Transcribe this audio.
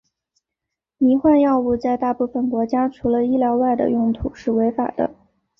迷幻药物在大部分国家除了医疗外的用途是违法的。